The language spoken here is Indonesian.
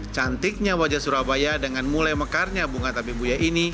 cantiknya wajah surabaya dengan mulai mekarnya bunga tabibuya ini